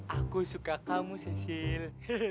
aku suka kamu sesil